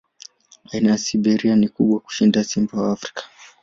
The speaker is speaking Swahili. Aina ya Siberia ni kubwa kushinda simba wa Afrika.